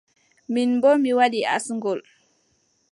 Min boo mi waɗi asngol.